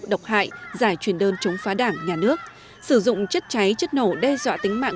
độc hại giải truyền đơn chống phá đảng nhà nước sử dụng chất cháy chất nổ đe dọa tính mạng